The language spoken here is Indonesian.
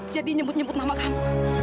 jadi nyebut nyebut mama kamu